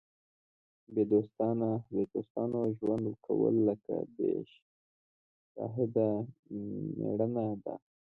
بې دوستانو ژوند کول لکه بې شاهده مړینه ده.